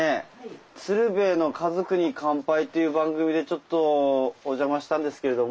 「鶴瓶の家族に乾杯」という番組でちょっとお邪魔したんですけれども。